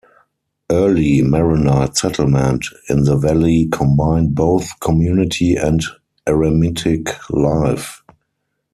Early Maronite settlement in the valley combined both community and eremitic life.